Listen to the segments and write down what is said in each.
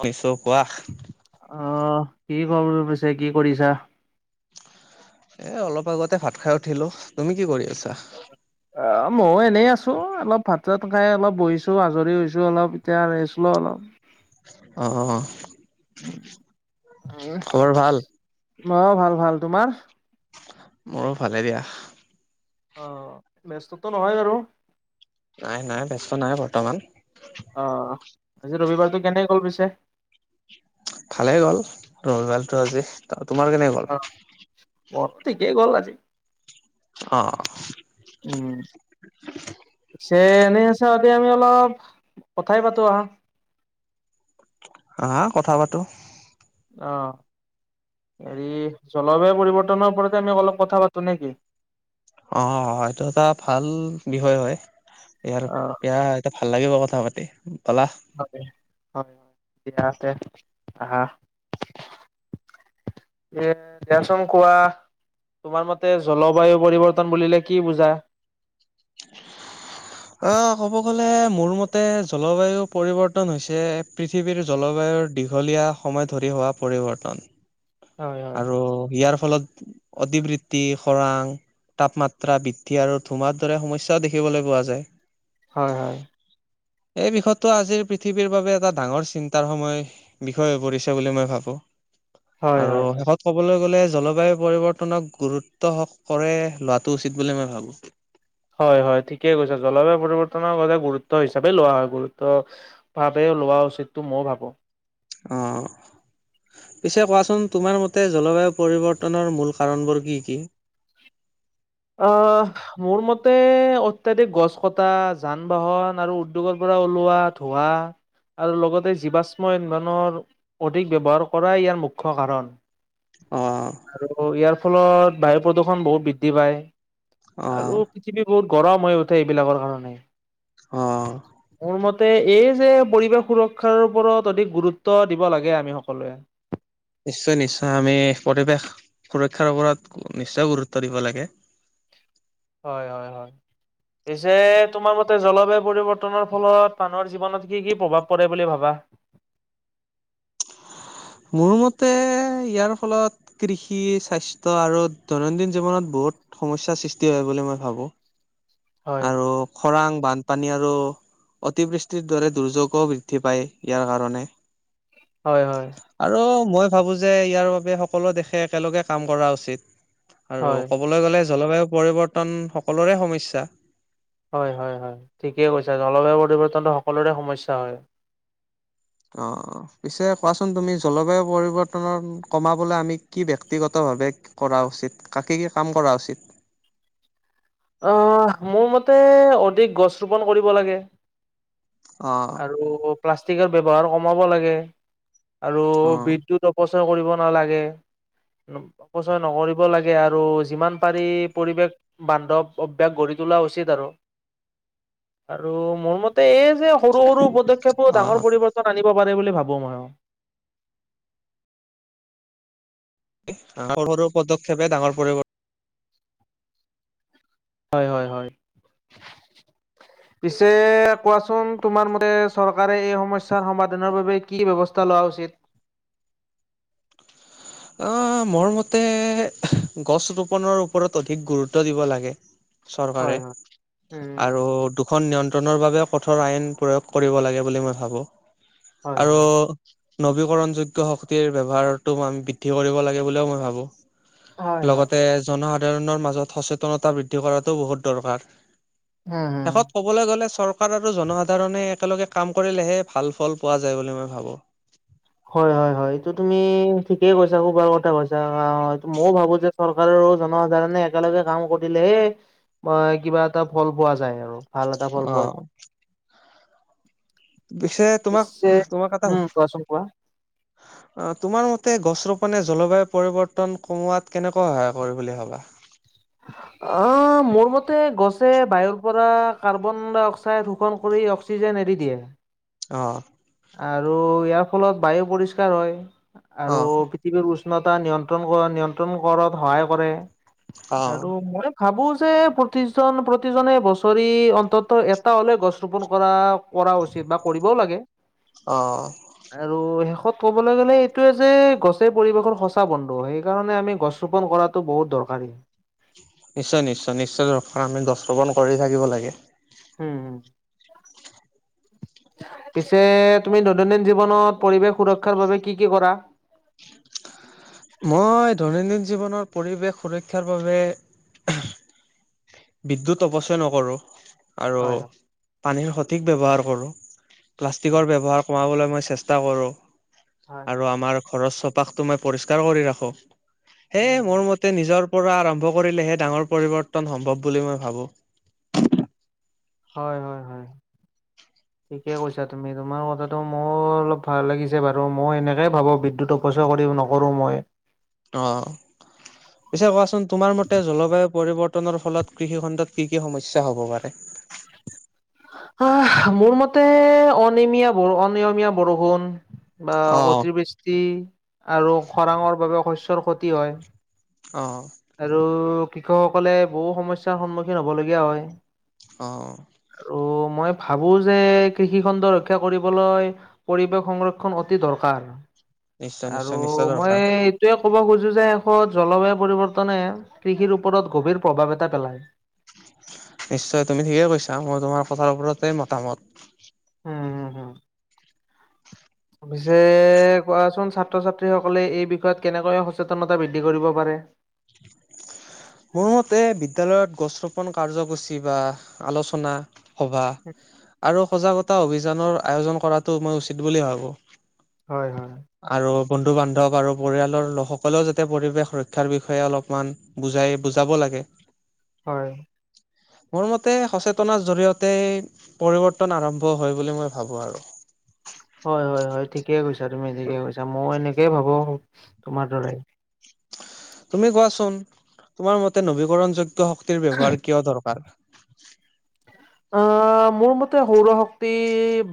বিশ্ব কোৱা অ', কি কম পিছে কি কৰিছা? এ, অলপ আগতে ভাত খাই উঠিলো তুমি কি কৰি আছা? অ', ময়ো এনেই আছোঁ। অলপ ভাত চাত খাই অলপ বহিছোঁ আজৰি হৈছোঁ অলপ এতিয়া আহছিলোঁ অলপ। অ', খবৰ ভাল? অ', ভাল ভাল তোমাৰ? মোৰো ভালে দিয়া। অ', ব্যস্তটো নহয় বাৰু? নাই, নাই ব্যস্ত নাই বৰ্তমান। অ', আজি ৰবিবাৰতটো কেনেকে গ'ল পিছে? ভালে গ'ল ৰববালটো আজি তোমাৰ কেনেক গ অ', মোৰ থিকেই গল আজি। অ', উম, ছে এনেই আছে সতি আমি অলপ কথাই পাতো আহা। আহা কথা পাতো। অ', হেৰি জলবায়ু পৰিৱৰ্তনৰ ওপৰতে আমি অলপ কথা পাতো নে কি? অ', এইটো এটা ভাল বিষয় হয় ইয়াৰ অ', বিয়া এয়া ভাল লাগিব কথা পাতি পালাহ হয়, হয়, হয় [inaudible] আহা [inaudible] কোৱা তোমাৰ মতে জলবায়ু পৰিৱৰ্তন বুলিলে কি বুজা? অ, ক'ব গলে মোৰ মতে জলবায়ু পৰিৱৰ্তন হৈছে পৃথিৱীৰ জলবায়ুৰ দীঘলীয়া সময় ধৰি হোৱা পৰিৱৰ্তন। হয় হয় আৰু ইয়াৰ ফলত অতিবৃত্তি খৰাং, তাপমাত্ৰা বৃদ্ধি আৰু ধুঁমাৰ দৰে সমস্যাও দেখিবলৈ পোৱা যায়। হয়, হয়। এই বিষয়টো আজিৰ পৃথিৱীৰ বাবে এটা ডাঙৰ চিন্তাৰ সময়, বিষয় হৈ পৰিছে বুলি মই ভাবো, হয় আৰু হয় হয়। লগত ক'বলৈ গ'লে জলবায়ু পৰিৱৰ্তনক গুৰুত্ব কৰে লোৱাটো উচিত বুলি মই ভাবো। হয়, হয়, ঠিকেই কৈছে জলবায়ু পৰিৱৰ্তনৰ গুৰুত্ব হিচাপে লোৱা হয় গুৰুত্ব ভাৱে লোৱা উচিতটো মইো ভাবোঁ। অ, পিছে কোৱাচোন তোমাৰ মতে জলবায়ু পৰিৱৰ্তনৰ মূল কাৰণবোৰ কি কি? অ, মোৰ মতে অত্যাধিক গছ কটা, যান বাহন আৰু উদ্যোগৰ পৰা ওলোৱা ধোঁৱা। আৰু লগতে জীৱশ্ম ইন্ধনৰ অধিক ব্যৱহাৰ কৰাই ইয়াৰ মুখ্য কাৰণ। অ, আৰু ইয়াৰ ফলত বায়ু প্ৰদূষণ বহুত বৃদ্ধি পায়। অ' আৰু, পৃথিৱী বহুত গৰম হৈ উঠে এইবিলাকৰ কাৰণে অ', মোৰ মতে, এই যে পৰিৱেশ সুৰক্ষাৰ ওপৰত অধিক গুৰুত্ব দিব লাগে আমি সকলোৱে নিশ্চয়, নিশ্চয়, আমি পৰিৱেশ সুৰক্ষাৰ ওপৰত নিশ্চয় গুৰুত্ব দিব লাগে হয়, হয়, হয়, পিছে তোমাৰ ম জলবায়ু পৰিৱৰ্তনৰ ফলত, মানুহৰ জীৱনত কি কি প্ৰভাৱ পৰে বুলি ভাবা মোৰ মতে, ইয়াৰ ফলত কৃষি, স্বাস্থ্য আৰু দৈনন্দিন জীৱনত বহুত সমস্যাৰ সৃষ্টি হয় বুলি মই ভাবো হয় আৰু খৰাং, বানপানী, আৰু অতিবৃষ্টিৰ দৰে দুৰ্যোগও বৃদ্ধি পায় ইয়াৰ কাৰণে হয়, হয় আৰু, মই ভাবো যে ইয়াৰ বাবে সকলো দেশে একেলগে কাম কৰা উচিত আৰু হয় কবলৈ গ'লে জলবায়ু পৰিৱৰ্তন সকলোৰে সমসা- হয়, হয়, হয়, ঠিকেই কৈছে জলবায়ু পৰিৱৰ্তনটো সকলোৰে সমস্যা হয় অ ', অ', পিছে, কোৱাচোন তুমি জলবায়ু পৰিৱৰ্তন কমাবলৈ আমি কি ব্যক্তিগতভাৱে কৰা উচিত, কাক কি কাম কৰা উচিত অ', মোৰ মতে, অধিক গছ ৰোপন কৰিব লাগে অ আৰু প্লাষ্টিকৰ ব্যৱহাৰ কমাব লাগে, আৰু অ বিদ্যুৎ প্ৰচৰ কৰিব নালাগে পচয় নকৰিব লাগে, আৰু যিমান পাৰি পৰিৱেশ বান্ধৱ অভয়াস গঢ়ি তোলা উচিত আৰু আৰু মোৰ মতে এই যে সৰু, সৰু, পদক্ষেপোও অ ডাঙৰ পৰিৱৰ্তন আনিব পাৰে বুলি ভাবো মই সৰু, সৰু, পদক্ষেপে ডাঙৰ পৰিবৰ্তন হয়, হয়, হয়, উ পিছে কোৱাচোন, তোমাৰ মতে চৰকাৰে এই সমস্যাৰ সমাধানৰ বাবে কি ব্যবস্থা লোৱা উচিত মোৰ মতে, গছ ৰোপনৰৰ ওপৰত অধিক গুৰুত্ব দিব লাগে চৰকাৰে, হয় হয় উম আৰু খ নিয়ন্ত্ৰণৰ বাবে কঠোৰ আইন প্ৰয়োগ কৰিব লাগে, বুলি মই ভাবো হয় আৰু হয় নবীকৰণ যোগ্য শক্তিৰ ব্যৱহাৰটো বৃদ্ধি কৰিব লাগে বুলিও মই ভাবোঁ হয় হয় লগতে, জনসাধাৰণৰ মাজত সচেতনতা বৃদ্ধি কৰাটো বহুত দৰকাৰী হম ক'বলৈ গ'লে চৰকাৰ, আৰু জনসাধাৰণে একেলগে কাম কৰিলেহে ভাল ফল পোৱা যায় বুলি মই ভাবো হয়, হয়, হয়, এইটো তুমি ঠিকেই কৈছা, ক'বাৰ কথা কৈছা মইয় ভাবো যে চৰকাৰৰ জনসাধাৰণে একেলগে কাম কৰিলেহে কিবা এটা ফল পোৱা যায় আৰু ভাল এটা ফল অ পোৱা যায় পিছে তোমাক পিছে তোমাৰ কথা উম কোৱাচোন কোৱা তোমাৰ মতে গছ ৰোপনেে জলবায়ু পৰিৱৰ্তন কমোৱাত কেনেকুৱৈ সহায় কৰি বুলি ভাবা [inaudible] অ, মোৰ মতে গছে বায়ুৰ পৰা কাৰ্বন ডাই অক্সাইড শোষণ কৰি [unintelligible] এৰি দিয়ে অ', আৰু ইয়াৰ ফলত বায়ু পৰিষ্কাৰ হয় অ আৰু পৃথিৱীৰ উষ্ণতা নিয়ন্ত্ৰণ নিয়ন্ত্ৰণ কৰাত সহায় কৰে অ আৰু ভাবো যে, প্ৰতিজন প্ৰতিজনে বছৰি অন্তত এটা হ'লে গছ ৰোপন কৰা কৰা উচিত, বা কৰিবও লাগে অ', আৰু শেষত ক'বলৈ গ'লে এইটোয়ে যে, গছে পৰিৱেশৰ সঁচা বন্ধু সেইকাৰণে আমি গছ ৰোপন কৰাত বহুত দৰকাৰী নিশ্চয় নিশ্চয় নিশ্চয় দৰকাৰ আমি গছ ৰোপণ কৰি থাকিব লাগে। হম হম। পিছে তুমি দৈনন্দিন জীৱনত পৰিৱেশ সুৰক্ষাৰ বাবে কি কি কৰা? মই দৈনন্দিন জীৱনৰ পৰিৱেশ সুৰক্ষাৰ বাবে বিদ্যুৎ অপচয় নকৰোঁ আৰু হয় হয় পানীৰ সঠিক ব্যৱহাৰ কৰোঁ। উম প্লাষ্টিকৰ ব্যৱহাৰ কমাবলৈ মই চেষ্টা কৰোঁ হয় আৰু হয় আমাৰ ঘৰত চৌ পাকটো মই পৰিষ্কাৰ কৰি ৰাখো সেয়ে উম মোৰ মতে নিজৰ পৰা আৰম্ভ কৰিলেহে ডাঙৰ পৰিৱৰ্তন সম্ভৱ বুলি মই ভাবোঁ। হয় হয় হয়। [inaudible] ঠিকে কৈছা তুমি তোমাৰ কথাটো মোৰ অলপ ভাল লাগিছে বাৰু মই এনেকে ভাবো বিদ্যুৎ অপচয় কৰিব নকৰোঁ মই। অ'। পিছে কোৱাচোন তোমাৰ মতে জলবায়ু পৰিৱৰ্তনৰ ফলত কৃষিখণ্ডত কি কি সমস্যা হ'ব পাৰে? আহ মোৰ মতে অনমীয়া বৰষুণ অনিয়মীয়া বৰষুণ। বা অ', অতিবৃষ্টি আৰু খৰাঙৰ বাবে শস্যৰ ক্ষতি হয়। অঁ'। আৰু কৃষকসকলে বহু সমস্যয়াৰ সন্মুখীন হ'বলগীয়া হয়। অ'। আৰু মই ভাবো যে কৃষি খণ্ড ৰক্ষা কৰিবলৈ পৰিৱেশ সংৰক্ষণ অতি দৰকাৰ নিশ্চয়, নিশ্চয়, আৰু নিশ্চয় মই দৰকাৰ। এইটোয়ে ক'ব খুজো যে এষত জলবায়ু পৰিৱৰ্তনে কৃষিৰ ওপৰত গভীৰ প্ৰভাৱ এটা পেলায়। নিশ্চয় তুমি ঠিকেই কৈছা মই তোমাৰ কথাৰ ওপৰতেই মতামত। উম হম হম [inaudible] পিছে কোৱাচোন ছাত্ৰ ছাত্ৰীসকলে এই বিষয়ত কেনেকৈ সচেতনতা বৃদ্ধি কৰিব পাৰে? মোৰ মতে বিদ্যালয়ত গছ ৰোপণ কাৰ্যসূচী বা আলোচনা সভা [inaudible] আৰু সজাগতা অভিযানৰ আয়োজন কৰাটো মই উচিত বুলি ভাবোঁ। হয় হয়। আৰু বন্ধু বান্ধৱ আৰু পৰিয়ালৰ লোকসকলেও যাতে পৰিৱেশ ৰক্ষাৰ বিষয়ে অলপমান বুজাই। বুজাব লাগে। হয়। মোৰ মতে সচেতনাৰ জৰিয়তে পৰিৱৰ্তন আৰম্ভ হয় বুলি মই ভাবোঁ আৰু। হয় হয় হয় ঠিকেই কৈছা তুমি ঠিকেই কৈছা মই এনেকেই ভাবো তোমাৰ দৰে। তুমি কোৱাচোন তোমাৰ মতে নবীকৰণ যোগ্য শক্তিৰ ব্যৱহাৰ কিয় দৰকাৰ? আহ মোৰ মতে সৌৰ শক্তি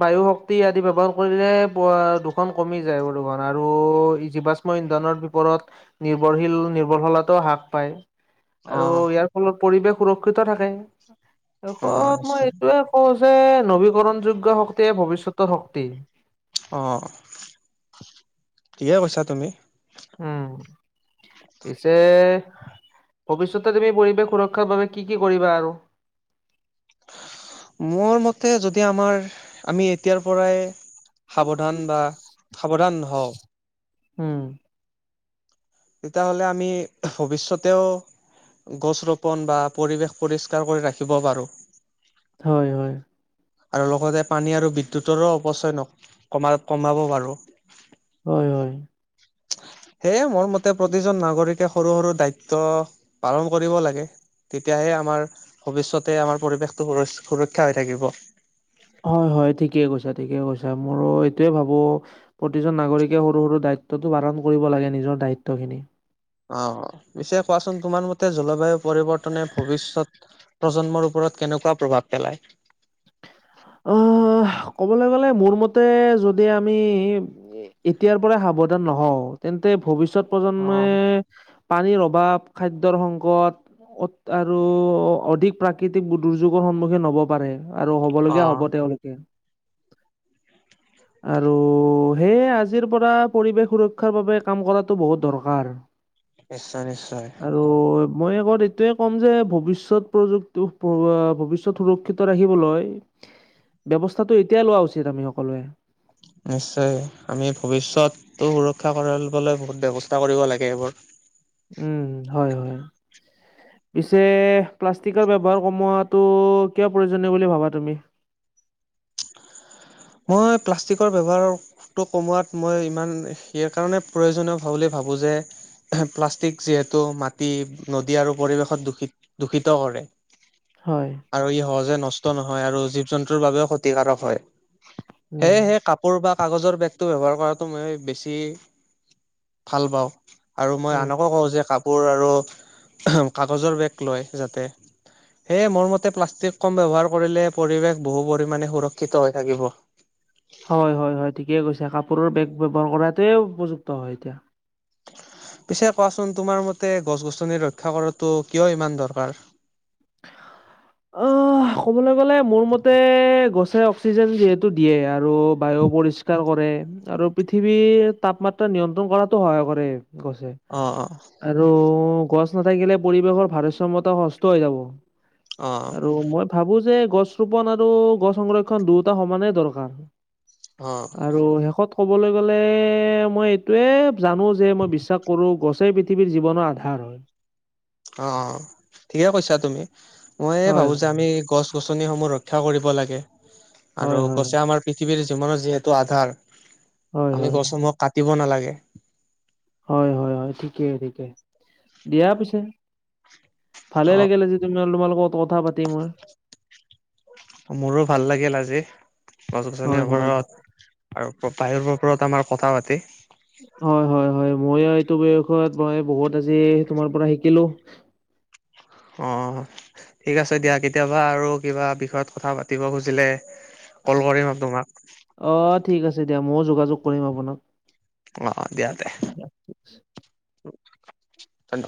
বায়ু শক্তি আদি ব্যৱসাৰ কৰিলে পোৱা কমি যায় আৰু এই জীৱাশ্ম ইন্ধনৰ বিপৰত নিৰ্ভৰশীল নিৰ্ভৰশীলাতও হ্ৰাস পায়। আৰু অ', ইয়াৰ ফলত পৰিৱেশ সুৰক্ষিত থাকে অ', শেষত নিশ্চয় শেষত কওঁ যে নবীকৰণ যোগ্য শক্তিয়ে ভৱিষ্যতৰ শক্তি। অ', ঠিকে কৈছা তুমি। উম। পিছে ভৱিষ্যতে তুমি পৰিৱেশ সুৰক্ষাৰ বাবে কি কি কৰিবা আৰু? মোৰ মতে যদি আমাৰ আমি এতিয়াৰ পৰাই সাৱধান বা সাৱধান নহওঁক। উম। তেতিয়াহ'লে আমি ভৱিষ্যতেও গছ ৰোপণ বা পৰিৱেশ পৰিষ্কাৰ কৰি ৰাখিব পাৰোঁ। হয় হয়। আৰু লগতে পানী আৰু বিদ্যুতৰো অপচয় ন কমা কমাব পাৰোঁ হয় হয় সেয়ে মোৰ মতে প্ৰতিজন নাগৰিকে সৰু সৰু দায়িত্ব পালন কৰিব লাগে তেতিয়াহে আমাৰ ভৱিষ্যতে আমাৰ পৰিৱেশটো সুৰ সুৰক্ষা হৈ থাকিব হয় হয় ঠিকে কৈছে ঠিকে কৈছে মোৰো এইটোয়ে ভাবোঁ প্ৰতিজন নাগৰিকে সৰু সৰু দায়িত্বটো পালন কৰিব লাগে নিজৰ দায়িত্ব খিনি অ পিছে কোৱাচোন তোমাৰ মতে জলবায়ু পৰিৱৰ্তনে ভৱিষ্যত প্ৰজন্মৰ ওপৰত কেনেকুৱা প্ৰভাৱ পেলায় অ ক'বলৈ গ'লে মোৰ মতে যদি আমি এতিয়াৰ পৰা সাৱধান নহওঁ তেন্তে ভৱিষ্যত প্ৰজন্মে অ'। পানীৰ অভাৱ খাদ্যৰ সংকট আৰু অধিক প্ৰাকৃতিক দুৰ্যোগৰ সন্মুখীন হ'ব পাৰে আৰু হ'বলগীয়া হ'ব অ', তেওঁলোকে [inaudible] আৰু সেয়ে আজিৰ পৰা পৰিৱেশ সুৰক্ষাৰ বাবে কাম কৰাতটো বহুত দৰকাৰ নিশ্চয় নিশ্চয় আৰু মই আগত এইটোৱে ক'ম যে ভৱিষ্যত প্ৰযুক্তি ভৱিষ্যত সুৰক্ষিত ৰাখিবলৈ ব্যৱস্থাটো এতিয়াই লোৱা উচিত আমি সকলোৱে নিশ্চয় আমি ভৱিষ্যতটো সুৰক্ষা কৰিবলৈ বহুত ব্যৱস্থা কৰিব লাগে এইবোৰ উম হয় হয় পিছে প্লাষ্টিকৰ ব্যৱহাৰ কমোৱাত ত' কিয় প্ৰয়োজনীয় বুলি ভাবা তুমি মই প্লাষ্টিকৰ ব্যৱহাৰৰ খটো কমোৱাত মই ইমান সেই কাৰণে প্ৰয়োজনীয় বুলি ভাবোঁ যে প্লাষ্টিক যিহেতু মাটি নদী আৰু পৰিৱেশত দূষিত দূষিত কৰে হয় আৰু ই সহজে নষ্ট নহয় আৰু জীৱ জন্তুৰ বাবেও ক্ষতিকাৰক হয় উম সেয়েহে কাপ কৰ'ব কাগজৰ বেগটো ব্যৱহাৰ কৰাটো মই বেছি ভাল পাওঁ আৰু মই উম আনকো কওঁ যে কাপোৰ আৰু কাগজৰ বেগ লয় যাতে সেয়ে মোৰ মতে প্লাষ্টিক কম ব্যৱহাৰ কৰিলে পৰিৱেশ বহু পৰিমাণে সুৰক্ষিত হৈ থাকিব হয় হয় হয় ঠিকেই কৈছে কাপোৰৰ বেগ ব্যৱহাৰ কৰাটোৱে উপযুক্ত হয় এতিয়া পিছে কোৱাচোন তোমাৰ মতে গছ গছনি ৰক্ষা কৰাটো কিয় ইমান দৰকাৰ উ [unintelligible] অ ক'বলৈ গ'লে মোৰ মতে গছে অক্সিজেন যিহেতু দিয়ে আৰু বায়ু পৰিষ্কাৰ কৰে আৰু পৃথিৱীৰ তাপমাত্ৰা নিয়ন্ত্ৰণ কৰাতো সহায় কৰে গছে অ অ আৰু গছ নাথাকিলে পৰিৱেশৰ ভাৰসাম্য়তা নষ্ট হৈ যাব অ আৰু মই ভাবো যে গছ ৰোপন আৰু গছ সংৰক্ষণ দুয়োটা সমানেই অ দৰকাৰ আৰু শেষত ক'বলৈ গ'লে মই এইটোৱে জানো যে মই বিশ্বাস কৰো গছে পৃথিৱীৰ জীৱনৰ আধাৰ হয় অ অ ঠিকে কৈছা তুমি মই হয়, ভাবো যে আমি গছ গছনিসমূহ ৰক্ষা কৰিব লাগে আৰু হয়, হয়, হয়, গছে আমাৰ পৃথিৱীৰ জীৱনৰ যিহেতু আধাৰ আমি হয়, গছসমূহক কাটিব নালাগে হয় হয় হয় ঠিকে ঠিকে দিয়া পিছে ভালে অ লাগিলে আজি [unintelligible] যটো ম তোমাল লগত কথা পাতি মই মোৰো ভাল লাগিল আজি গছ হয়, গছনিৰ হয়, ওপৰত আৰু বায়ুৰ ওপৰত আমাৰ কথা পাতে হয় হয় হয় মই এইটো বিষয়ত মই বহুত আজি তোমাৰ পৰা শিকিলো অহ। ঠিক আছে দিয়া, কেতিয়াবা আৰু কিবা বিষয়ত কথা পাতিব খুজিলে কল কৰিম আৰু তোমাক। অহ, ঠিক আছে দিয়া, মইয়ো যোগাযোগ কৰিম আপোনাক। অহ', অহ' দিয়া তে। ধন্যবাদ।